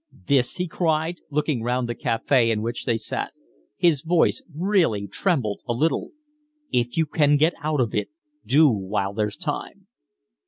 "This?" he cried, looking round the cafe in which they sat. His voice really trembled a little. "If you can get out of it, do while there's time."